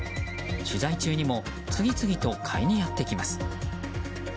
取材中にも次々と買いにやってきます。